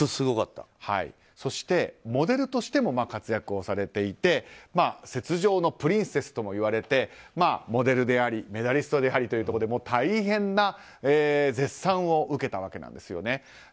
そして、モデルとしても活躍をされていて雪上のプリンセスともいわれてモデルでありメダリストでありということで大変な絶賛を受けたわけなんです。